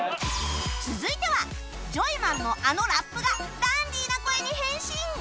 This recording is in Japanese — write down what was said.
続いてはジョイマンのあのラップがダンディーな声に変身！